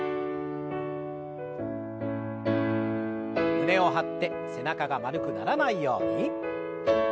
胸を張って背中が丸くならないように。